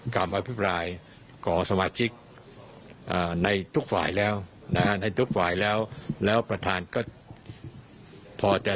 คำเอาอภิพรายกรรมสมาชิกในทุกฝ่ายแล้วนะในทุกประทานก็พอจะ